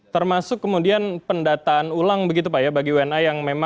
termasuk kemudian pendataan ulang begitu pak ya bagi wna yang memang